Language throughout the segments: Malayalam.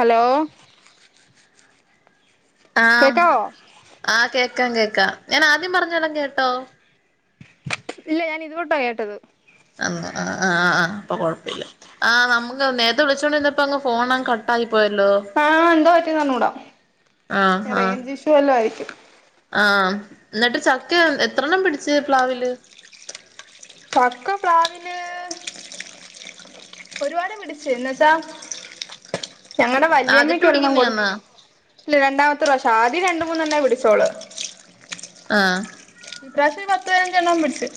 ഹലോ ആഹ് കേക്കാവോ ആഹ് കേക്കാം കേക് ക്കാ ഞാൻ ആദ്യം പറഞ്ഞതെല്ലാം കേട്ടോ ഇല്ല ഞാൻ ഇത് തൊട്ടാ കേട്ടത് ആ ആ ആ ആ ഇപ്പൊ കൊഴപ്പില്ല ത് വിളിച്ചൊണ്ടിന്നപ്പങ്ങ് ഫോണങ്ങ് കട്ടായി പോയല്ലോ ആഹ് എന്തോ പറ്റി ന്ന് അർഞ്ഞൂടാ ആഹ് ആഹ് റേഞ്ച് ഇഷ്യു വല്ലോ ആയിരിക്കും ആഹ് ഇന്നിട്ട് ചക്ക എത്രെണ്ണം പിടിച്ച് പ്ലാവില് പക്ക പ്ലാവില് ഒരുവാട് പിടിച്ച് എന്നച്ചാ ഞങ്ങടെ ആദ്യായിട്ട് വല്യമ്മയ്ക്ക് ഒരെണ്ണം കൊട് പിടിക്കുന്നയാന്നോ ഇല്ല രണ്ടാമത്തെ പ്രാവഷം ആദ്യം രണ്ട് മൂന്നെണ്ണേ പിടിച്ചോള് ആഹ് ഇപ്രാവശ്യം പത്ത് പയിനഞ്ചെണ്ണം പിടിച്ച്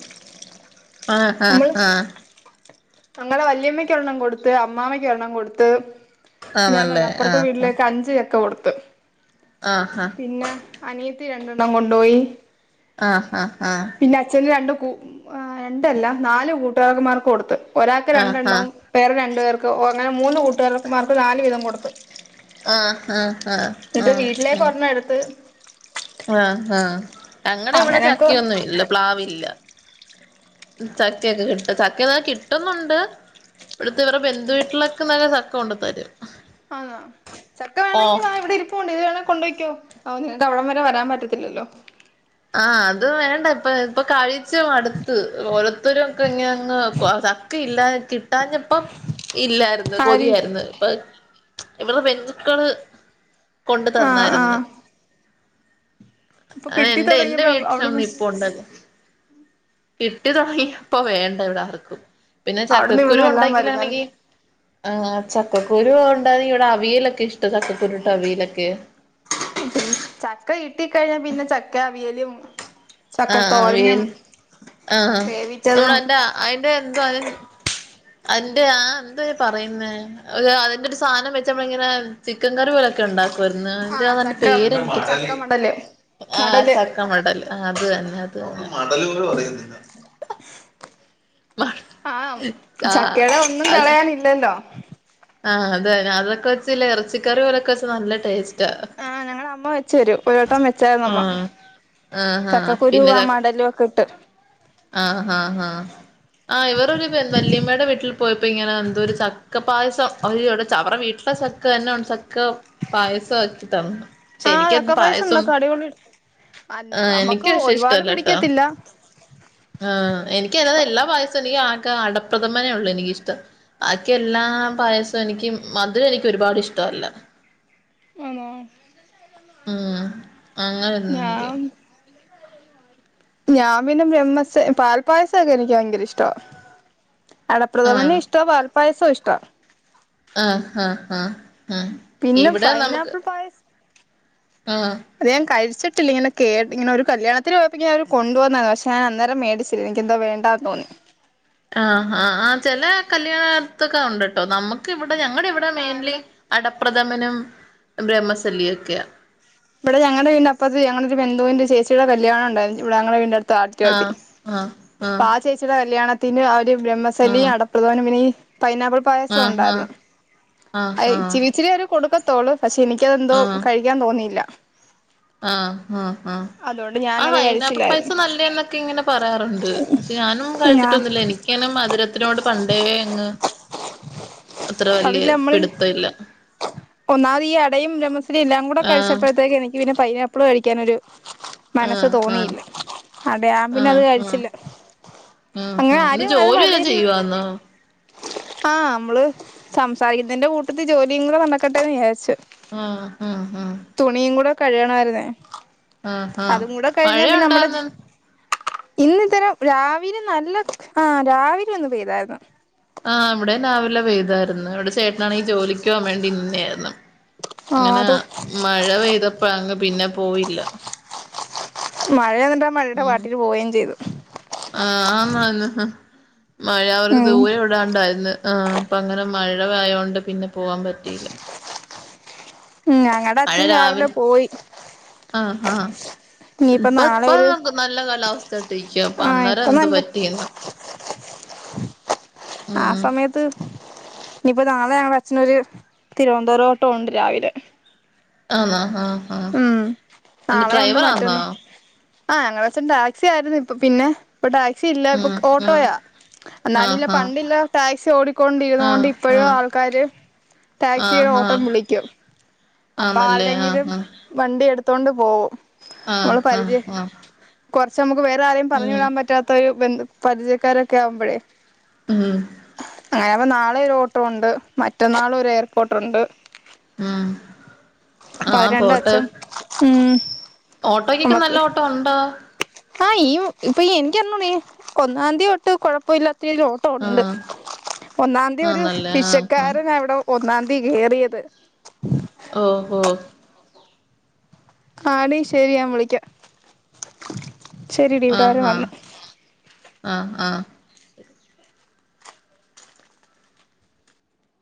ആഹ് ആഹ് ആഹ് ഞങ്ങളെ വല്യമ്മയ്ക്ക് ഒരെണ്ണം കൊടുത്ത് അമ്മാമ്മയ്ക്ക് ഒരെണ്ണം കൊട്ത്ത് ഇപ്പ ഞാ ആണല്ലേ [unintelligible] അപ്പറത്തെ ആഹ് വീട്ടിലേക്ക് അഞ്ച് ചക്ക കൊട് ത്ത് ആഹ് പിന്നെ അനിയ ത്തി രണ്ടെണ്ണം കൊണ്ടോയി ആഹ് ഹാ പിന്നെ അച്ഛന് രണ്ടു കു ആ രണ്ടല്ല നാല് കൂട്ടുകാകന്മാർക്ക് കൊട്ത്ത് ഒരാക്ക് ആഹ് രണ്ടെണ്ണവും പേറെ രണ്ടു പേർ ക്ക് അങ്ങനെ മൂന്ന് കൂട്ടുകാരൻമാർക്ക് നാല് വീതം കൊടുത്ത് ആഹ് ആഹ്ആഹ് എന്നിട്ട് ആഹ് വീട്ടിലേക്ക് ആഹ് ഒരെണ്ണം എടുത്ത് ആഹ് ഹാ ഞങ്ങടെ ഇവിടെ അങ്ങനെയൊക്കെ ചക്കയൊന്നും ഇല്ല പ്ലാവില്ല ചക്കയെക്കെ കിട്ടു ചക്ക [unintelligible] കിട്ടുന്നുണ്ട് ഇവിടുത്തെ ഇവരെ ബന്ധുുവീട്ടിലൊക്കെ നല്ല ചക്ക കൊണ്ട് തരും ആന്നോ ചക്ക ഓ വേണങ്കി വാ ഇവിടെ ഇരിപ്പുണ്ട് ഇത് വേണേ കൊണ്ടോയ്ക്കോ ഓ നിരക്ക് അവിടം വരെ വരാൻ പറ്റത്തില്ലല്ലോ ആഹ് അത് വേണ്ട ഇപ്പ ഇപ്പൊ കഴിച്ച് മടുത്ത് ഓലത്തൂരും ഒക്കെ ഇങ്ങനങ്ങ് ചക്ക ഇല്ലാ കിട്ടാഞ്ഞപ്പം ഇല്ലായിരുന്നു ആര് കൊതിയാര്ന്നു ഇപ്പ ഇവരെ ബന്ധുക്കള് കൊണ്ട് ആഹ് തന്നായിര്ന്നു ആഹ് ഇപ്പൊ കിട്ടി ത എന്റെ വീട്ടിലന്ന് ഇപ്പ ഉണ്ടത് കിട്ടി തുടങ്ങിയപ്പോൊ വേണ്ട ഇവിടെ ആർക്കും പിന്നെ അവിടുന്ന് ചക്കക്കുരു ഇവിടുന്ന് എല്ലാം വരുന്നല്ലേ ഉണ്ടാക്കിലാണെങ്കിൽ ആ ചക്കുരു പോണ്ട ഇവിടെ അവിയലൊക്കെ ഇഷ്ടം ചക്കക്കുരുട്ടോ അവിയലൊക്കെ ചക്ക കിട്ട കഴിഞ്ഞ പിന്നെ ചക്ക അവിയലും ആഹ ആ വീ ചക്കത്തോരനും ആഹ് നമ്മൾ വേവിച്ചതും എന്റെ അയിറെ എന്തോ അ അന്റെ ആ എന്താ പറയുന്നേ അതിന്റെ ഒരു സാധനം വെച്ച നമ്മള ഇങ്ങനെ ചിക്കൻ കറി പോലൊക്കെ ഉണ്ടാക്കും ആഹ് ുന്നന്റെന്റെ ചക്ക പേര്ക്ക് ചക്ക മടല് ആ മടല് ചക്കമടല് അ മലുക പറയുന്നന്ന ആഹ് ആഹ് ചക്കേട ഒന്നും അത് കളയാനില്ലല്ലോ ആഹ് അത ാ അതൊക്കെ വെച്ച ഇറച്ചിക്കറി പോലൊക്കെ വെ നല്ല ടേസ്റ്റ് ആഹ് ഞങ്ങള അമ്മ വെച്ച വരും ഒരുരോട്ടം വെച്ചുന്നമ്മ ആഹ് ആഹാ ചക്കക്കുരു പിന്നെ ആ ച മടലും ഒക്കെ ഇട്ട് ആഹ് ആഹ് ആഹ് ആഹ് ഇവരൊരു വല്യമ്മയുടെ വീട്ടിൽ പോയപ്പോ ഇങ്ങനെ എന്തോ ഒരു ചക്ക പായസംടെ അവടെ വീട്ടിലെ ചക്ക തന്നെയ ഉണ്ട് ചക്ക പായസം ആക്കി തന്നു പക്ഷെ ആഹ എനിക്കത് ഒക്കെ പൈസുണ്ടോ പായസം കടികള ആഹ് നമ്മക്ക് എനിക്ക് പക്ഷെ ഒരുപാട് പിടിക്കത്തില്ല ആ എനിക്ക് എല്ലാ പായസം എനി അടപ്രഥമനേ ഉള്ളു എനിക്കിഷ്ടം ബാക്കിയ എല്ലാ പായസവും എനിക്ക് മധുരം എനിക്ക് ഒരുപാട് ഇഷ്ടമല്ല ആണ ഉം അങ്ങനെ വന്ന എനിക്ക് ഞാൻ ഞാൻ പിന്നെ ബ്മസ പാൽപ്പായസൊക്കെ എനിക്ക് ഭയങ്കര ഇഷ്ട ആഹ് അടപ്രഥമനെ ഇഷ്ടം പൈസോ ഇഷ്ട ആഹ ആഹ ആഹ പിന്നെ ഫൈനാപ്പിൾ പായസ ആഹ് അത് ഞാൻ കഴിച്ചിട്ട് കഴിഞ്ഞിറ്റില്ല ഇങ്ങനെ കേ ഇങ്ങനെ ഒരു കല്യാണത്തിന് പോയപ്പോ അവര് കൊണ്ടുവന്നത പക്ഷ ഞാൻ അന്നേം മേടിച്ചില്ല എനിക്ക്ന്തോ വേണ്ടാന്ന് തോന്നി ആഹ ആഹ് ആ് ചില കല്യാണത്തൊക്കെ ഉണ്ട്ട്ടോ നമ്മുക്ക് ഇവിടെ ഇവിടെ ഞങ്ങളുടെ ഇവിടെ മെയിൻലി അട പ്രഥമനും ബ്രഹ്മസല്യൊക്കെയ ഇവിടെ ഞങ്ങള വീടിന്റെ അപ്പറത്ത് ഞങ്ങളൊരു ബെന്തുവിന്റെ ചേച്ചിയുടെ കല്യാണം ഉണ്ടായിരുന്നു ഇവിടെ ഞങ്ങടെ വീടിന്റെ അടുത്ത് ആഹ് ആഹ് [unintelligible] പാ ചേച്ചിാ കല്യാണത്തിന് ബ്രഹ്മശലി ആഹ് അടപ്രദവനും പിന്നെ ഈ പൈനാപ്പിൾ പായസം ആഹ് ആഹ് ഉണ്ടായിരുന്നു ആഹ് അ ആഹ് ഇചിരിഇച്ചിരി കൊടുക്ക ത്തോളു പക്ഷേ എനിക്കതെന്തോ ആഹ് കഴിക്കാൻ തോന്നിയില്ല ആഹ് ഹ് അതുകൊണ്ട് ആ ഞാനത് പൈനാപ്പിൾ കഴിച്ചില്ലായിരുന്നു പായസം നല്ലയാ എന്നൊക്കെ ഇങ്ങനെ പറയാറു ണ്ട് പക്ഷെ ഞാനും ഞാ കഴിച്ചിട്ടൊന്നുല്ല എനിക്കനെ മധുരത്തിനോട് പണ്ടേ അങ്ങ് അത്ര വല്യ അതിൽ നമ്മളിൽ പിടുത്തം ഇല്ല ഒന്നാത് ഈ അടയും ബ്രഹ്മസല്ലി എല്ലാം കൂടെ ആഹ് കഴിച്ചപ്പോഴത്തേക്ക് എനി ക്ക് പിന്നെ പൈനാപ്പിളും കഴിക്കാനൊരു മനസ് ആഹ് ആഹ് തോന്നിയില്ല അതെ ഞാൻ പിന്നെ അത് ആഹ് ആഹ് കഴിച്ചില്ല ആഹ് അങ്ങനെ ആഹ് ഇത് ആരും അത് ജോലി വല്ലോം ചെയ്യുവാന്നോ [unintelligible] ആഹ് നമ്മള് സംസാരിക്കുന്നതിന്റെ കൂട്ടത്ത് ജോലിയും കൂടെ നടക്കട്ടെന്ന് വിചാരിച് ആ ആ ആ കഴിയണായിരുന്നേ അതും കൂടെ കഴിഞ്ഞാ പിന്ന നമ്മടെ മഴയുണ്ടായിരുന്ന് ഇന്നിത്തരം രാവിലെ നല്ല ആ രാവിലെ ഒന്ന് പെയ്തായിരുന്നു ആ ഇവിടെ രാവിലെ പെയ്താര് ന്നു ഇവിടെ ചേട്ടനാണെങ്കിൽ ജോലിക്കുപോവാൻ വേണ്ടി നിന്നെആയിരുന്നു ആ അങ്ങനെ അത് മഴ പെയ്തപ്പോ അങ്ങ് പിന്നെ പോയില്ല മഴ മഴ മഴയുടെ ഉം പാട്ടിന് പോവവേം ചെയ്തു ആന്ന് മഴ അവർക്ക് ഉം ദൂരെ എവിടാണ്ടായിര് ന്ന് ആ അപ്പൊ അങ്ങനെ മഴയയാതൊണ്ട് പിന്നെ പോവാൻ പറ്റിയില്ല ഞങ്ങളുടെ മഴ അച്ഛൻ രാവിലെ പോയി ആ ആ ഇനിയിപ്പ ഇപ്പ ഇപ്പ നാളെ ഒരു നല്ല കാലാവസ്ഥായിട്ട് ഇരിക്ക ആഹ് അന്നേരം ഇപ്പൊ എന്ത് നല്ല പറ്റിഎന്നാ [unintelligible] ആ സമയത്ത് ഇനിയിപ്പോ നാളെ ഞങ്ങ അച്ഛനൊര് തിരുവനന്തപുരം ഓട്ടം ഉണ്ട് രാവിലെ ആന്നോ ആഹ് ആ ഉം എന്തെ നാളെ ഉണ്ട് ഡ്രൈവർ ആന്നോ മറ്റൊന്ന് ആ ഞങ്ങളടെ അച്ഛൻ ടാക്സി ആയിരുന്നു ഇപ്പൊ പിന്നെ ഇപ്പൊ ടാക്സി ഇല്ല ഇപ്പൊ ആഹ് ആഹ് ഓട്ടോയാ ഇപ്പ ഇപ്പ ടാക്സിയില്ല ഓട്ടോയാ എന്നാലും ഇല്ല ആഹ് പണ്ടില്ല ടാക്സി ഓടിക്കൊണ്ടിരുന്ന കൊണ്ട് ആഹ് ഇപ്പഴും ആഹ് ആൾക്കാര് ടാക്സിയുടെ ആഹ് ആഹ് ഓട്ടം ആഹ് വിളിക്കും അപ്പൊ ആര് ആന്നല്ലേ ആഹ് ടെങ്കിലും വണ്ടി എടു ത്തോണ്ടുപോവും ആഹ് ആ ആ കുറച്ചമ്മ ക്ക് വേറെ ആരെയും പറഞ്ഞുവിടാൻ പറ്റാത്ത ഒരു ബന്ധു പരിചയക്കാരൊക്കെ ആഉമ്പഴേ ഉം അങ്ങനപ്പ നാളെ ഒരു ഓട്ടോ ഉണ്ട് മറ്റന്നാളും ഒരു എയർപോർട്ടുണ്ട് ഉം പ രണ്ടാച്ചം ഉം ഓട്ടോക്കൊക്കെ നല്ല നമ്മക്ക് ഓട്ടോ ഉണ്ടോ ആഹ് ഈ യു ഇപ്പൊ എനിക്കറിഞ്ഞുടേ ഒന്നാം ന്തി യൊട്ട് കൊഴപ്പല്ല ത്തീല് ഓട്ടം ഉണ്ട് ആഹ് ഒന്നാം ന്തി ഒരു ആന്നല്ലേ ആഹ് ആഹ് ഫിഷക്കാരൻ അവിടെ ഒന്നാന്തികേറിയത് ഓഹ്ഹൊ ആടി ശരി ഞാൻ വിളിക്ക ശെരിടി ഇവിടെ ആരോ വന്ന് ആ ആഹ്